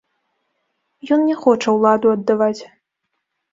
Ён не хоча ўладу аддаваць.